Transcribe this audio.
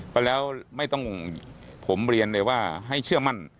เพราะแล้วไม่ต้องผมเรียนเลยว่าให้เชื่อมั่น